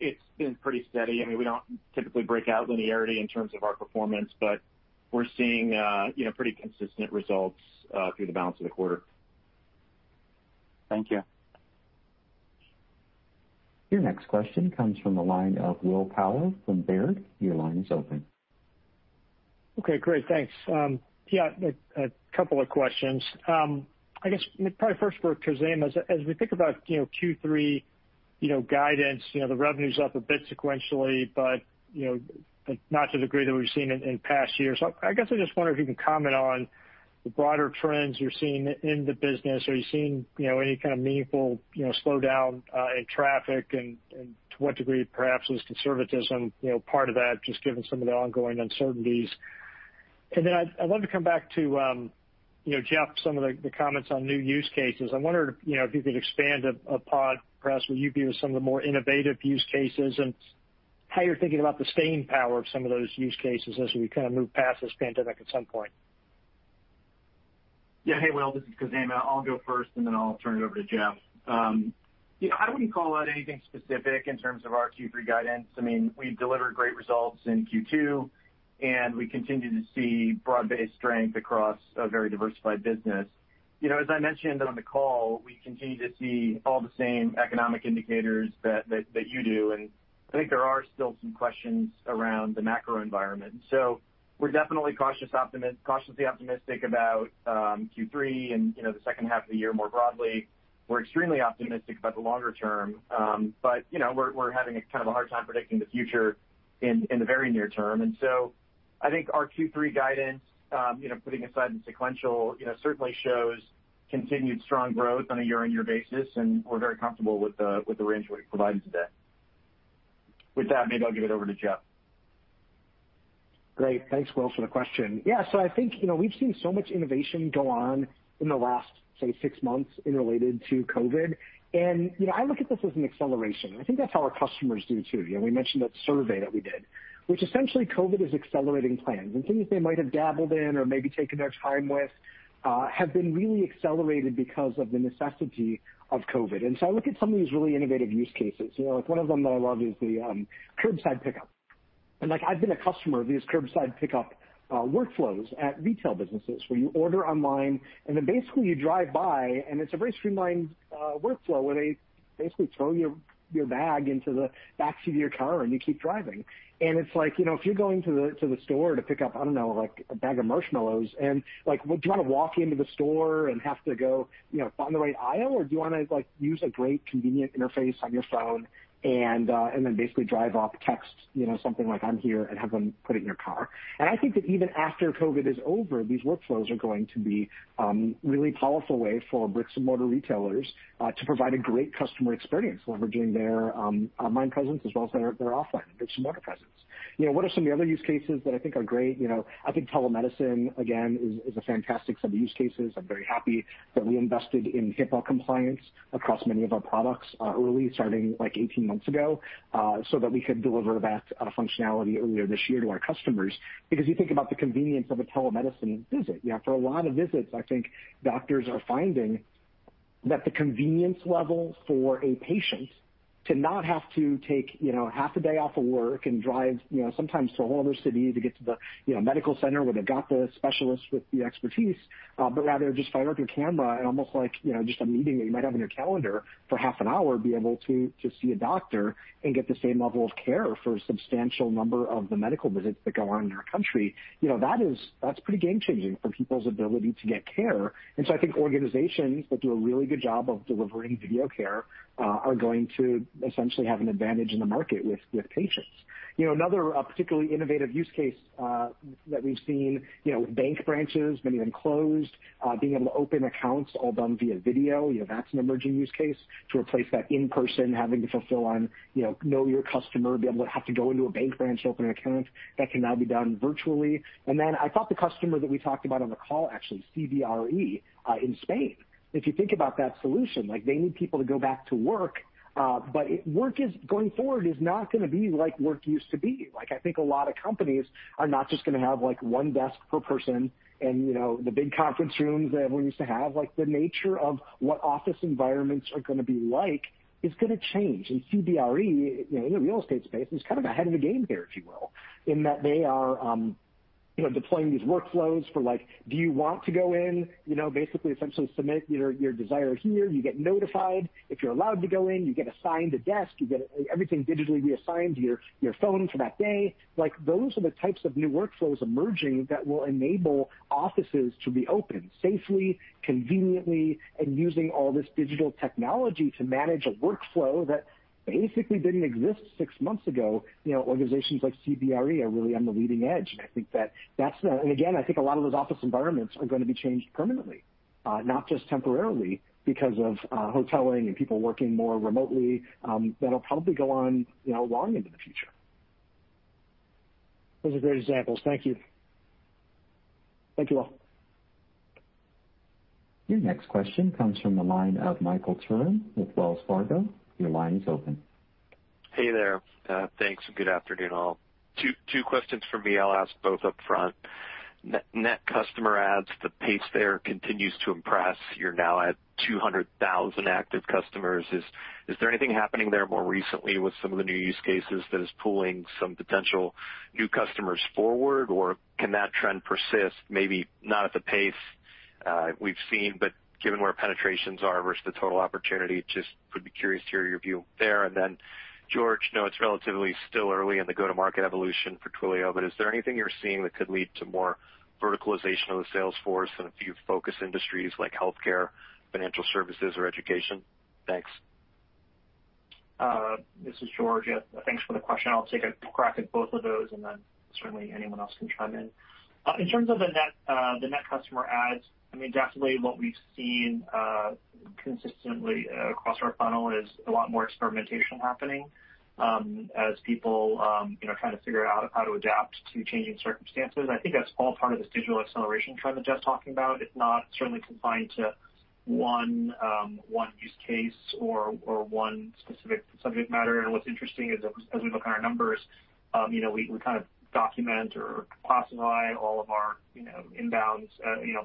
it's been pretty steady. We don't typically break out linearity in terms of our performance, but we're seeing pretty consistent results through the balance of the quarter. Thank you. Your next question comes from the line of Will Power from Baird. Your line is open. Okay, great. Thanks. A couple of questions. I guess probably first for Khozema, as we think about Q3 guidance, the revenue's up a bit sequentially, but not to the degree that we've seen in past years. I guess I just wonder if you can comment on the broader trends you're seeing in the business. Are you seeing any kind of meaningful slowdown in traffic? To what degree, perhaps, was conservatism part of that, just given some of the ongoing uncertainties? Then I'd love to come back to Jeff, some of the comments on new use cases. I wonder if you could expand upon, perhaps, what you view as some of the more innovative use cases and how you're thinking about the staying power of some of those use cases as we kind of move past this pandemic at some point. Yeah. Hey, Will, this is Khozema. I'll go first, and then I'll turn it over to Jeff. I wouldn't call out anything specific in terms of our Q3 guidance. We delivered great results in Q2, and we continue to see broad-based strength across a very diversified business. As I mentioned on the call, we continue to see all the same economic indicators that you do, and I think there are still some questions around the macro environment. We're definitely cautiously optimistic about Q3 and the second half of the year more broadly. We're extremely optimistic about the longer term. We're having kind of a hard time predicting the future. In the very near-term. I think our Q3 guidance, putting aside the sequential, certainly shows continued strong growth on a year-on-year basis, and we're very comfortable with the range we provided today. With that, maybe I'll give it over to Jeff. Great. Thanks, Will, for the question. Yeah. I think we've seen so much innovation go on in the last, say, six months in related to COVID, and I look at this as an acceleration. I think that's how our customers do, too. We mentioned that survey that we did, which essentially, COVID is accelerating plans, and things they might have dabbled in or maybe taken their time with, have been really accelerated because of the necessity of COVID. I look at some of these really innovative use cases. One of them that I love is the curbside pickup. I've been a customer of these curbside pickup workflows at retail businesses, where you order online, and then basically you drive by, and it's a very streamlined workflow where they basically throw your bag into the backseat of your car and you keep driving. It's like, if you're going to the store to pick up, I don't know, a bag of marshmallows and do you want to walk into the store and have to go find the right aisle, or do you want to use a great, convenient interface on your phone and then basically drive off, text something like, "I'm here," and have them put it in your car? I think that even after COVID is over, these workflows are going to be a really powerful way for bricks and mortar retailers to provide a great customer experience leveraging their online presence as well as their offline bricks and mortar presence. What are some of the other use cases that I think are great? I think telemedicine, again, is a fantastic set of use cases. I'm very happy that we invested in HIPAA compliance across many of our products early, starting 18 months ago, so that we could deliver that functionality earlier this year to our customers. You think about the convenience of a telemedicine visit. For a lot of visits, I think doctors are finding that the convenience level for a patient to not have to take half a day off of work and drive sometimes to a whole other city to get to the medical center where they've got the specialist with the expertise, but rather just fire up your camera and almost like just a meeting that you might have on your calendar for half an hour, be able to see a doctor and get the same level of care for a substantial number of the medical visits that go on in our country. That's pretty game changing for people's ability to get care. I think organizations that do a really good job of delivering video care are going to essentially have an advantage in the market with patients. Another particularly innovative use case that we've seen, bank branches, many of them closed, being able to open accounts all done via video. That's an emerging use case to replace that in-person having to fulfill on know your customer, be able to have to go into a bank branch to open an account that can now be done virtually. I thought the customer that we talked about on the call, actually, CBRE Spain. If you think about that solution, they need people to go back to work. Work going forward is not going to be like work used to be. I think a lot of companies are not just going to have one desk per person and the big conference rooms that everyone used to have. The nature of what office environments are going to be like is going to change. CBRE, in the real estate space, is kind of ahead of the game here, if you will, in that they are deploying these workflows for like, do you want to go in? Basically, essentially submit your desire here. You get notified. If you're allowed to go in, you get assigned a desk, you get everything digitally reassigned, your phone for that day. Those are the types of new workflows emerging that will enable offices to be open safely, conveniently, and using all this digital technology to manage a workflow that basically didn't exist six months ago. Organizations like CBRE are really on the leading edge, and again, I think a lot of those office environments are going to be changed permanently, not just temporarily, because of hoteling and people working more remotely. That'll probably go on long into the future. Those are great examples. Thank you. Thank you all. Your next question comes from the line of Michael Turrin with Wells Fargo. Your line is open. Hey there. Thanks. Good afternoon, all. Two questions from me. I'll ask both upfront. Net customer adds, the pace there continues to impress. You're now at 200,000 active customers. Is there anything happening there more recently with some of the new use cases that is pulling some potential new customers forward, or can that trend persist, maybe not at the pace we've seen, but given where penetrations are versus the total opportunity, just would be curious to hear your view there? George, know it's relatively still early in the go-to-market evolution for Twilio, but is there anything you're seeing that could lead to more verticalization of the sales force in a few focus industries like healthcare, financial services, or education? Thanks. This is George. Thanks for the question. I'll take a crack at both of those, and then certainly anyone else can chime in. In terms of the net customer adds, definitely what we've seen consistently across our funnel is a lot more experimentation happening as people try to figure out how to adapt to changing circumstances. I think that's all part of this digital acceleration trend that Jeff's talking about. It's not certainly confined to one use case or one specific subject matter. What's interesting is, as we look on our numbers, we kind of document or classify all of our inbounds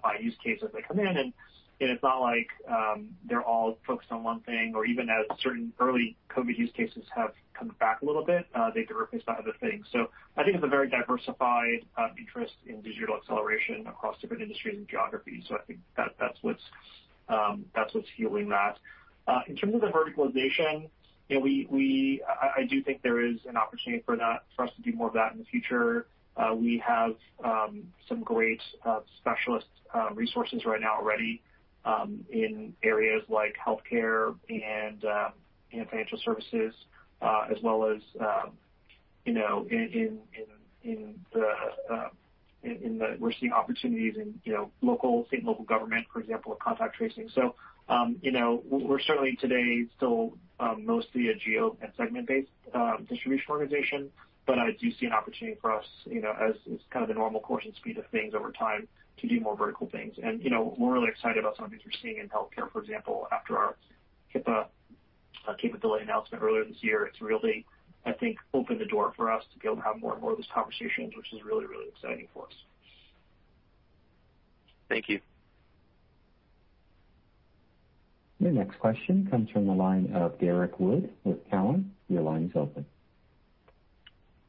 by use case as they come in. It's not like they're all focused on one thing or even as certain early COVID use cases have come back a little bit, they get replaced by other things. I think it's a very diversified interest in digital acceleration across different industries and geographies. I think that's what's fueling that. In terms of the verticalization, I do think there is an opportunity for us to do more of that in the future. We have some great specialist resources right now already, in areas like healthcare and financial services, as well as we're seeing opportunities in state and local government, for example, with contact tracing. We're certainly today still mostly a geo and segment-based distribution organization. I do see an opportunity for us, as kind of the normal course and speed of things over time, to do more vertical things. We're really excited about some of these we're seeing in healthcare, for example, after our HIPAA capability announcement earlier this year. It's really, I think, opened the door for us to be able to have more and more of those conversations, which is really, really exciting for us. Thank you. Your next question comes from the line of Derrick Wood with Cowen. Your line is open.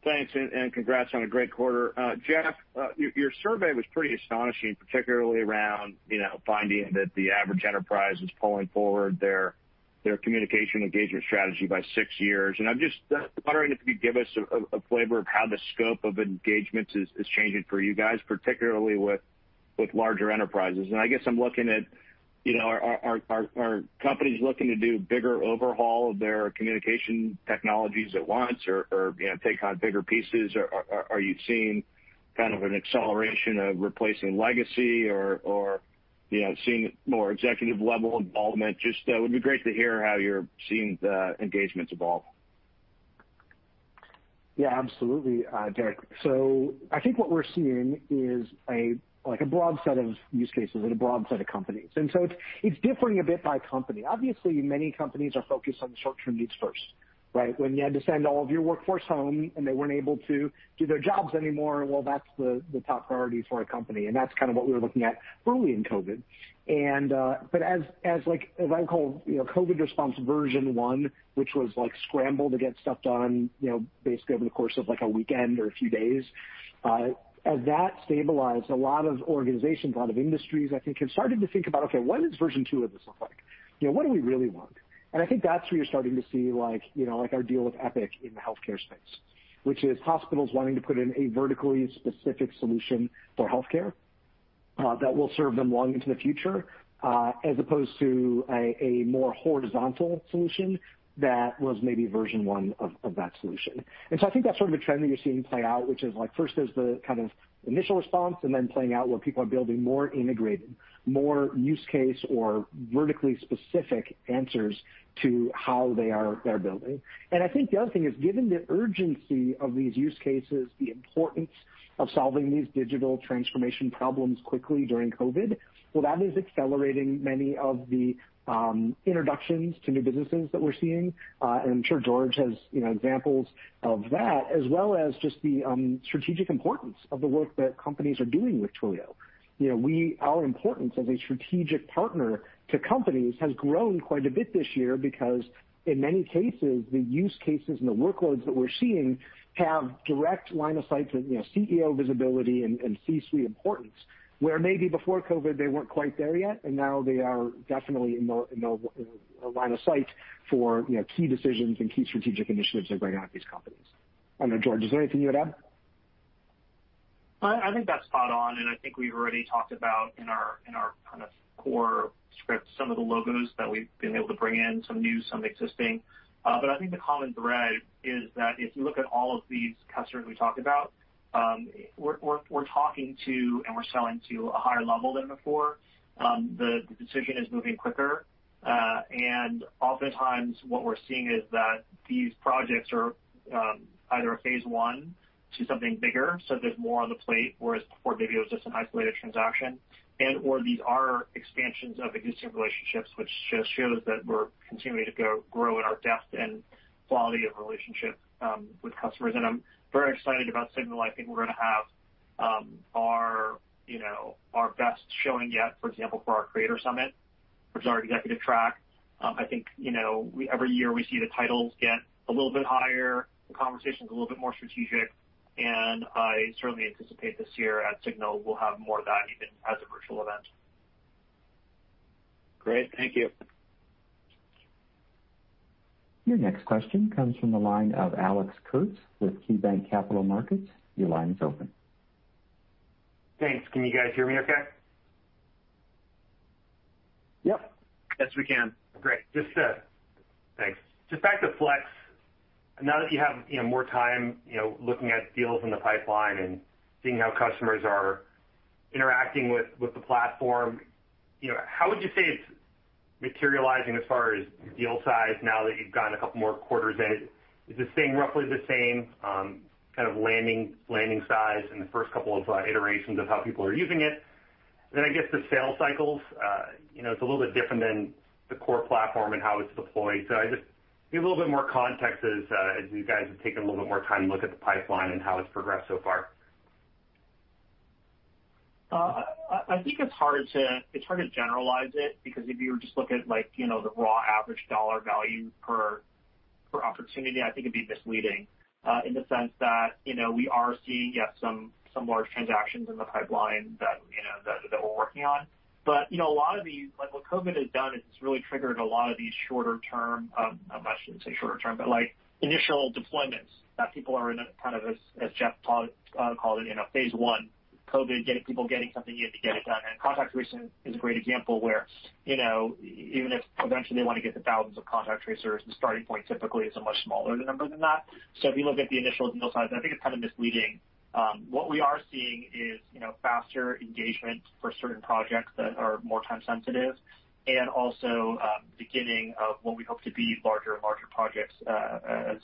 Thanks, and congrats on a great quarter. Jeff, your survey was pretty astonishing, particularly around finding that the average enterprise is pulling forward their communication engagement strategy by six years, and I'm just wondering if you could give us a flavor of how the scope of engagements is changing for you guys, particularly with larger enterprises. I guess I'm looking at, are companies looking to do bigger overhaul of their communication technologies at once or take on bigger pieces? Are you seeing kind of an acceleration of replacing legacy or seeing more executive-level involvement? Just would be great to hear how you're seeing the engagements evolve. Yeah, absolutely, Derrick. I think what we're seeing is a broad set of use cases and a broad set of companies. It's differing a bit by company. Obviously, many companies are focused on the short-term needs first, right? When you had to send all of your workforce home, and they weren't able to do their jobs anymore, well, that's the top priority for a company, and that's kind of what we were looking at early in COVID. As I call COVID response version 1, which was scramble to get stuff done basically over the course of a weekend or a few days. As that stabilized, a lot of organizations, a lot of industries, I think, have started to think about, okay, what does version 2 of this look like? What do we really want? I think that's where you're starting to see our deal with Epic in the healthcare space, which is hospitals wanting to put in a vertically specific solution for healthcare that will serve them long into the future as opposed to a more horizontal solution that was maybe version 1 of that solution. I think that's sort of a trend that you're seeing play out, which is like first there's the kind of initial response, and then playing out where people are building more integrated, more use case or vertically specific answers to how they are building. I think the other thing is, given the urgency of these use cases, the importance of solving these digital transformation problems quickly during COVID, well, that is accelerating many of the introductions to new businesses that we're seeing. I'm sure George has examples of that, as well as just the strategic importance of the work that companies are doing with Twilio. Our importance as a strategic partner to companies has grown quite a bit this year because in many cases, the use cases and the workloads that we're seeing have direct line of sight to CEO visibility and C-suite importance. Where maybe before COVID, they weren't quite there yet. Now they are definitely in the line of sight for key decisions and key strategic initiatives that are going on at these companies. I don't know, George, is there anything you would add? I think that's spot on, and I think we've already talked about in our kind of core script some of the logos that we've been able to bring in, some new, some existing. I think the common thread is that if you look at all of these customers we talked about, we're talking to and we're selling to a higher level than before. The decision is moving quicker. Oftentimes what we're seeing is that these projects are either a phase I to something bigger, so there's more on the plate, whereas before, maybe it was just an isolated transaction. These are expansions of existing relationships, which just shows that we're continuing to grow in our depth and quality of relationship with customers. I'm very excited about Signal. I think we're going to have our best showing yet, for example, for our Creator Summit, which is our executive track. I think every year we see the titles get a little bit higher, the conversations a little bit more strategic, I certainly anticipate this year at SIGNAL, we'll have more of that even as a virtual event. Great. Thank you. Your next question comes from the line of Alex Kurtz with KeyBanc Capital Markets. Your line is open. Thanks. Can you guys hear me okay? Yep. Yes, we can. Great. Thanks. Just back to Flex. Now that you have more time looking at deals in the pipeline and seeing how customers are interacting with the platform, how would you say it's materializing as far as deal size now that you've gotten a couple more quarters in? Is it staying roughly the same kind of landing size in the first couple of iterations of how people are using it? I guess the sales cycles, it's a little bit different than the core platform and how it's deployed. I just need a little bit more context as you guys have taken a little bit more time to look at the pipeline and how it's progressed so far. I think it's hard to generalize it because if you were just looking at the raw average dollar value per opportunity, I think it'd be misleading. In the sense that we are seeing, yeah, some large transactions in the pipeline that we're working on. Like what COVID has done is just really triggered a lot of these shorter term, I shouldn't say shorter term, but initial deployments that people are in kind of, as Jeff called it, phase I COVID getting people something in to get it done. Contact tracing is a great example where, even if eventually they want to get to thousands of contact tracers, the starting point typically is a much smaller number than that. If you look at the initial deal size, I think it's kind of misleading. What we are seeing is faster engagement for certain projects that are more time sensitive, and also the beginning of what we hope to be larger and larger projects.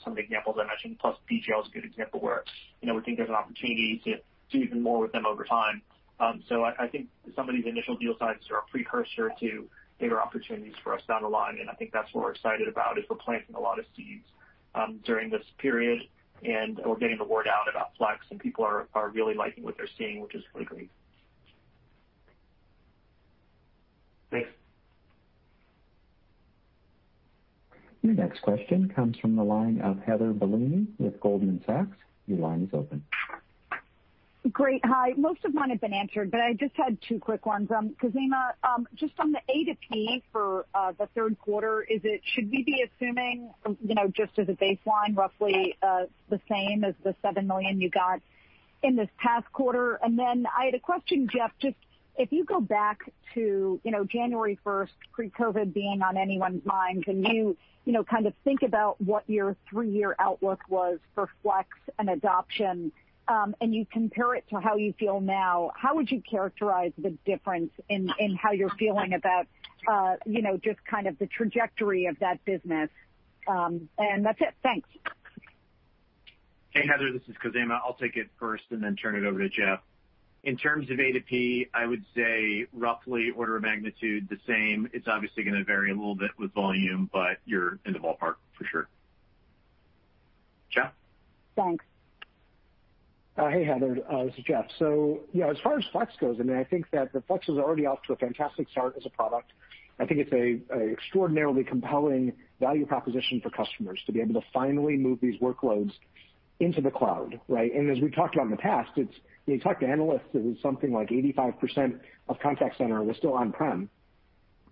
Some of the examples I mentioned, plus BGL is a good example where we think there's an opportunity to do even more with them over time. I think some of these initial deal sizes are a precursor to bigger opportunities for us down the line, and I think that's what we're excited about, is we're planting a lot of seeds during this period, and we're getting the word out about Flex, and people are really liking what they're seeing, which is really great. Thanks. Your next question comes from the line of Heather Bellini with Goldman Sachs. Your line is open. Great. Hi. Most of mine have been answered, but I just had two quick ones. Khozema, just on the A2P for the third quarter, should we be assuming, just as a baseline, roughly the same as the $7 million you got in this past quarter? I had a question, Jeff. Just if you go back to January 1st, pre-COVID-19 being on anyone's mind, and you think about what your three-year outlook was for Flex and adoption, and you compare it to how you feel now, how would you characterize the difference in how you're feeling about just the trajectory of that business? That's it. Thanks. Hey, Heather. This is Khozema. I'll take it first and then turn it over to Jeff. In terms of A2P, I would say roughly order of magnitude the same. It's obviously going to vary a little bit with volume, but you're in the ballpark for sure. Jeff? Thanks. Hey, Heather. This is Jeff. Yeah, as far as Flex goes, I think that Flex is already off to a fantastic start as a product. I think it's an extraordinarily compelling value proposition for customers to be able to finally move these workloads into the cloud, right? As we've talked about in the past, when you talk to analysts, it was something like 85% of contact center was still on-prem,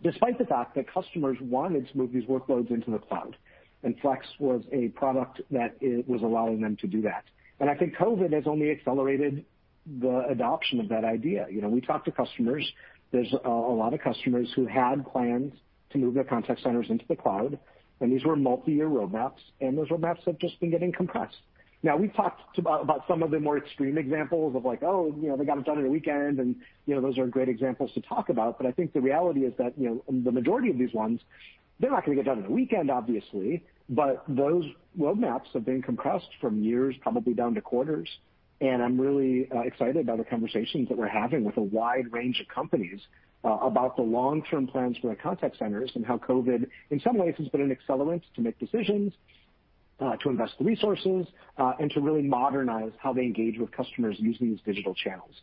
despite the fact that customers wanted to move these workloads into the cloud, and Flex was a product that was allowing them to do that. I think COVID has only accelerated the adoption of that idea. We talk to customers. There's a lot of customers who had plans to move their contact centers into the cloud, these were multi-year roadmaps, and those roadmaps have just been getting compressed. Now, we've talked about some of the more extreme examples of, like, oh, they got it done in a weekend, and those are great examples to talk about. I think the reality is that, the majority of these ones, they're not going to get done in a weekend, obviously. Those roadmaps have been compressed from years probably down to quarters, and I'm really excited about the conversations that we're having with a wide range of companies about the long-term plans for their contact centers and how COVID-19, in some ways, has been an accelerant to make decisions, to invest the resources, and to really modernize how they engage with customers using these digital channels.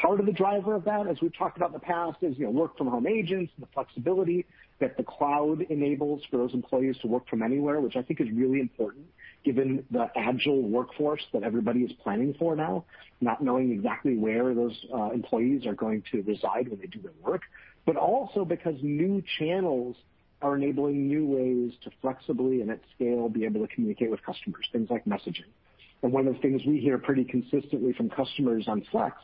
Part of the driver of that, as we've talked about in the past, is work from home agents, the flexibility that the cloud enables for those employees to work from anywhere, which I think is really important given the agile workforce that everybody is planning for now, not knowing exactly where those employees are going to reside when they do their work. Also because new channels are enabling new ways to flexibly and at scale be able to communicate with customers, things like messaging. One of the things we hear pretty consistently from customers on Flex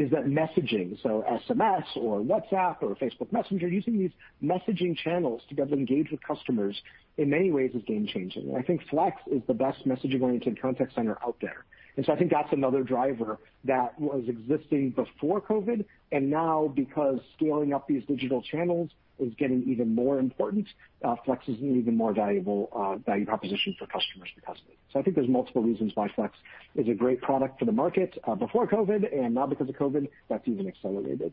is that messaging, so SMS or WhatsApp or Facebook Messenger, using these messaging channels to be able to engage with customers in many ways is game changing. I think Flex is the best messaging-oriented contact center out there. I think that's another driver that was existing before COVID, and now because scaling up these digital channels is getting even more important, Flex is an even more valuable value proposition for customers because of it. I think there's multiple reasons why Flex is a great product for the market, before COVID, and now because of COVID, that's even accelerated.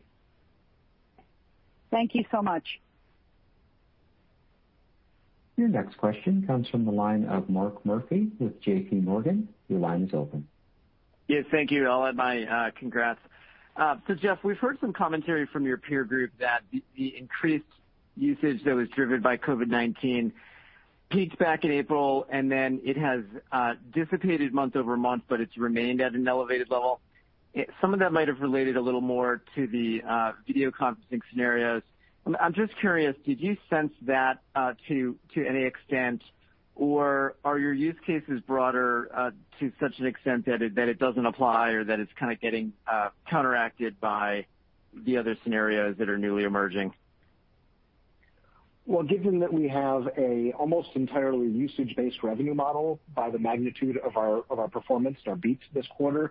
Thank you so much. Your next question comes from the line of Mark Murphy with JPMorgan. Your line is open. Yeah, thank you. I'll add my congrats. Jeff, we've heard some commentary from your peer group that the increased usage that was driven by COVID-19 peaked back in April, and then it has dissipated month-over-month, but it's remained at an elevated level. Some of that might have related a little more to the video conferencing scenarios. I'm just curious, did you sense that to any extent, or are your use cases broader to such an extent that it doesn't apply or that it's kind of getting counteracted by the other scenarios that are newly emerging? Well, given that we have an almost entirely usage-based revenue model by the magnitude of our performance and our beats this quarter,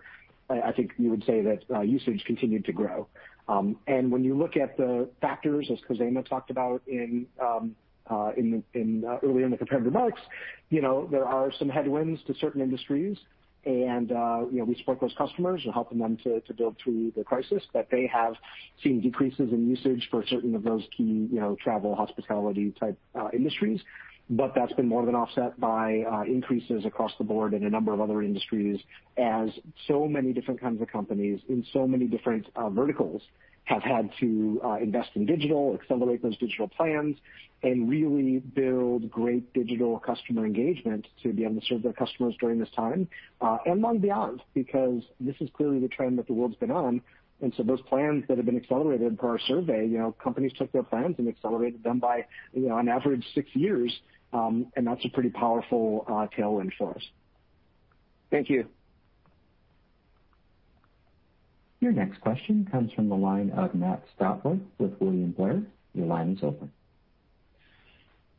I think you would say that usage continued to grow. When you look at the factors, as Khozema talked about earlier in the prepared remarks, there are some headwinds to certain industries. We support those customers in helping them to build through the crisis, but they have seen decreases in usage for certain of those key travel, hospitality type industries. That's been more than offset by increases across the board in a number of other industries, as so many different kinds of companies in so many different verticals have had to invest in digital, accelerate those digital plans, and really build great digital customer engagement to be able to serve their customers during this time. Long beyond, because this is clearly the trend that the world's been on. Those plans that have been accelerated per our survey, companies took their plans and accelerated them by on average six years. That's a pretty powerful tailwind for us. Thank you. Your next question comes from the line of Matt Stotler with William Blair. Your line is open.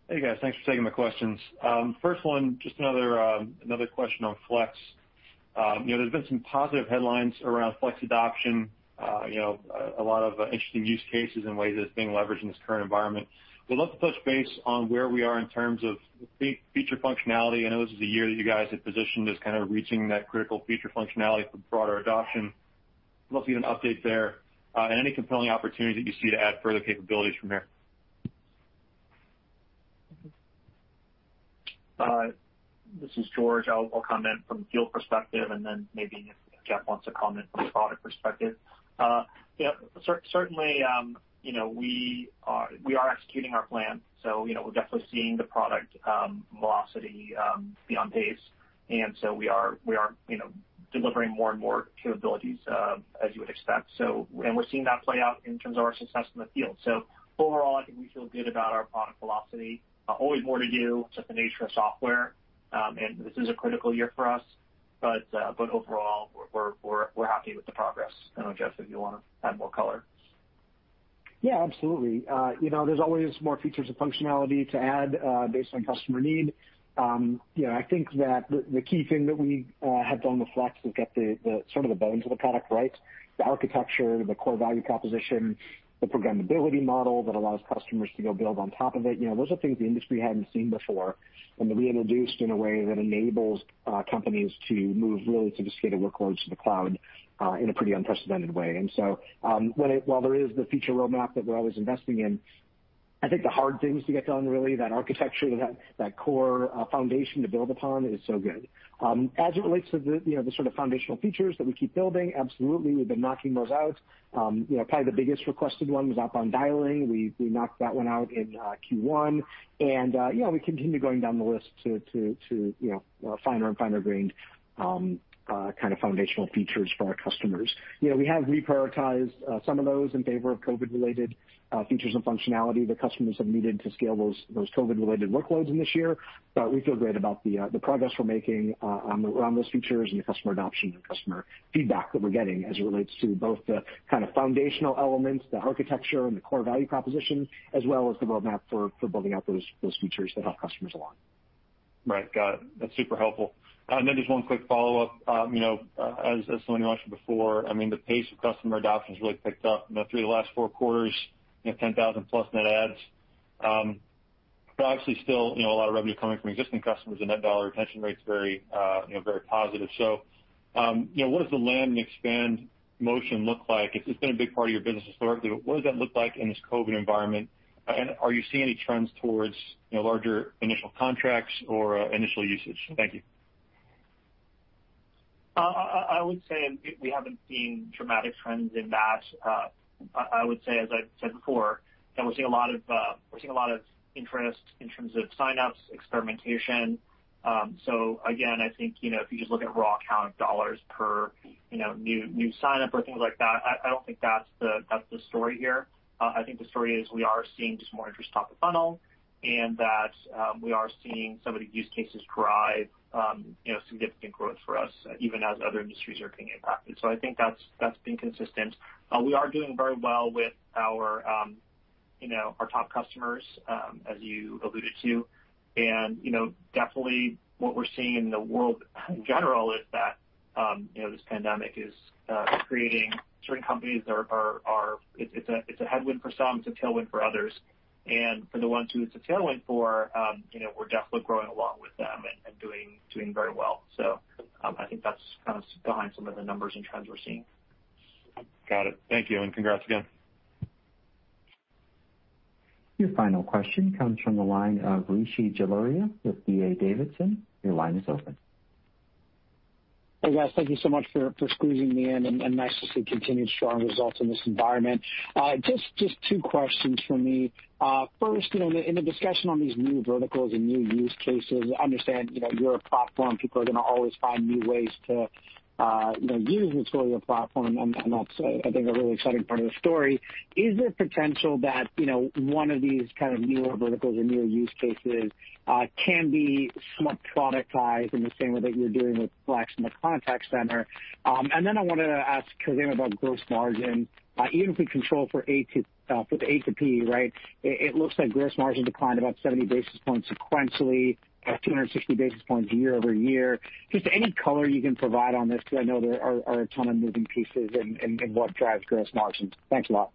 Hey, guys. Thanks for taking my questions. First one, just another question on Flex. There's been some positive headlines around Flex adoption, a lot of interesting use cases and ways that it's being leveraged in this current environment. Would love to touch base on where we are in terms of feature functionality. I know this is a year that you guys had positioned as kind of reaching that critical feature functionality for broader adoption. Love to get an update there, and any compelling opportunities that you see to add further capabilities from here. This is George. I'll comment from the field perspective, then maybe if Jeff wants to comment from the product perspective. Yeah. Certainly, we are executing our plan, so we're definitely seeing the product velocity be on pace, and so we are delivering more and more capabilities as you would expect. We're seeing that play out in terms of our success in the field. Overall, I think we feel good about our product velocity. Always more to do, it's just the nature of software. This is a critical year for us, but overall, we're happy with the progress. I don't know, Jeff, if you want to add more color. Yeah, absolutely. There's always more features and functionality to add based on customer need. I think that the key thing that we have done with Flex is get sort of the bones of the product right. The architecture, the core value composition, the programmability model that allows customers to go build on top of it. Those are things the industry hadn't seen before, and that we introduced in a way that enables companies to move really sophisticated workloads to the cloud in a pretty unprecedented way. While there is the feature roadmap that we're always investing in, I think the hard things to get done, really, that architecture, that core foundation to build upon is so good. As it relates to the sort of foundational features that we keep building, absolutely, we've been knocking those out. Probably the biggest requested one was outbound dialing. We knocked that one out in Q1. We continue going down the list to finer and finer grained kind of foundational features for our customers. We have reprioritized some of those in favor of COVID-related features and functionality that customers have needed to scale those COVID-related workloads in this year. We feel great about the progress we're making around those features and the customer adoption and customer feedback that we're getting as it relates to both the kind of foundational elements, the architecture, and the core value propositions, as well as the roadmap for building out those features that help customers along. Right. Got it. That's super helpful. Just one quick follow-up. As somebody mentioned before, the pace of customer adoption has really picked up through the last four quarters, 10,000 plus net adds. Obviously still, a lot of revenue coming from existing customers, the net dollar retention rate's very positive. What does the land and expand motion look like? It's been a big part of your business historically, but what does that look like in this COVID environment? Are you seeing any trends towards larger initial contracts or initial usage? Thank you. I would say we haven't seen dramatic trends in that. I would say, as I've said before, that we're seeing a lot of interest in terms of sign-ups, experimentation. Again, I think, if you just look at raw count of a dollar per new sign-up or things like that, I don't think that's the story here. I think the story is we are seeing just more interest top of funnel, and that we are seeing some of the use cases drive significant growth for us, even as other industries are getting impacted. I think that's been consistent. We are doing very well with our top customers, as you alluded to. Definitely what we're seeing in the world in general is that this pandemic is creating it's a headwind for some, it's a tailwind for others. For the ones who it's a tailwind for, we're definitely growing along with them and doing very well. I think that's kind of behind some of the numbers and trends we're seeing. Got it. Thank you, and congrats again. Your final question comes from the line of Rishi Jaluria with D.A. Davidson. Your line is open. Hey, guys, thank you so much for squeezing me in, and nice to see continued strong results in this environment. Just two questions from me. First, in the discussion on these new verticals and new use cases, I understand you're a platform, people are going to always find new ways to use the Twilio platform, and that's, I think, a really exciting part of the story. Is there potential that one of these kind of newer verticals or newer use cases can be somewhat productized in the same way that you're doing with Flex in the contact center? I wanted to ask Khozema about gross margin. Even if we control for A2P, right, it looks like gross margin declined about 70 basis points sequentially, 260 basis points year-over-year. Just any color you can provide on this, because I know there are a ton of moving pieces in what drives gross margins. Thanks a lot.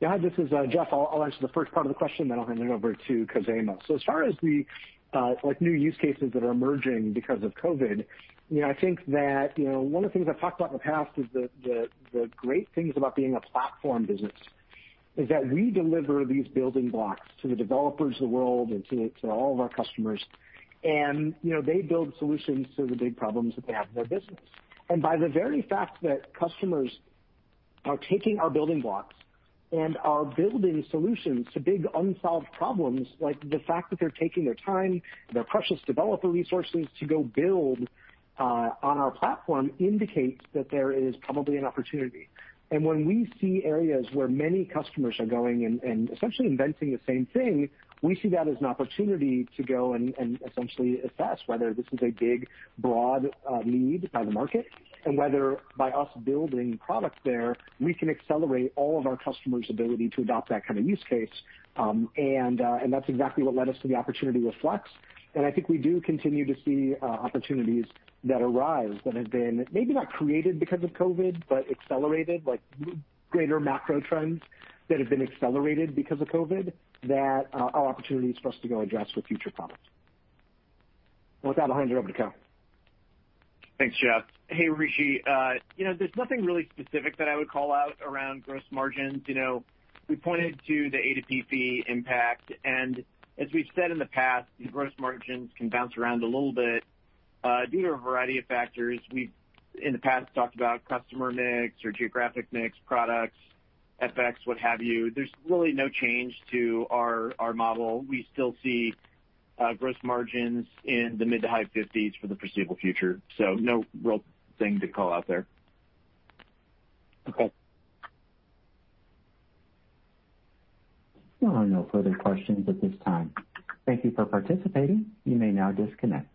Yeah. This is Jeff. I'll answer the first part of the question, then I'll hand it over to Khozema. As far as the new use cases that are emerging because of COVID, I think that one of the things I've talked about in the past is the great things about being a platform business is that we deliver these building blocks to the developers of the world and to all of our customers. They build solutions to the big problems that they have in their business. By the very fact that customers are taking our building blocks and are building solutions to big unsolved problems. The fact that they're taking their time, their precious developer resources to go build on our platform indicates that there is probably an opportunity. When we see areas where many customers are going and essentially inventing the same thing, we see that as an opportunity to go and essentially assess whether this is a big, broad need by the market, and whether by us building product there, we can accelerate all of our customers' ability to adopt that kind of use case. That's exactly what led us to the opportunity with Flex. I think we do continue to see opportunities that arise that have been, maybe not created because of COVID, but accelerated, like greater macro trends that have been accelerated because of COVID that are opportunities for us to go address with future products. With that, I'll hand it over to Khozema. Thanks, Jeff. Hey, Rishi. There's nothing really specific that I would call out around gross margins. We pointed to the A2P impact, and as we've said in the past, gross margins can bounce around a little bit due to a variety of factors. We've, in the past, talked about customer mix or geographic mix, products, FX, what have you. There's really no change to our model. We still see gross margins in the mid to high 50s for the foreseeable future. No real thing to call out there. Okay. There are no further questions at this time. Thank you for participating. You may now disconnect.